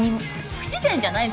不自然じゃない？